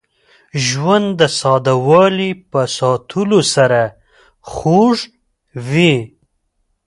ژوند د ساده والي په ساتلو سره خوږ وي.